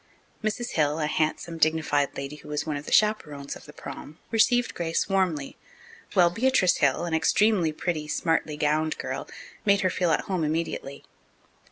Mrs. Hill, a handsome, dignified lady who was one of the chaperones of the prom, received Grace warmly, while Beatrice Hill, an extremely pretty, smartly gowned girl, made her feel at home immediately.